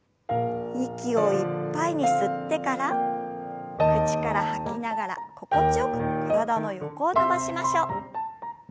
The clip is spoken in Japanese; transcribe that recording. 息をいっぱいに吸ってから口から吐きながら心地よく体の横を伸ばしましょう。